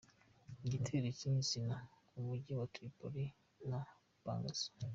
Igitero nyir’izina ku mijyi ya Tripoli na Benghazi.